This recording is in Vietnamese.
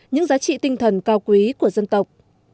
những giá trị tinh thần cao quý của dân tộc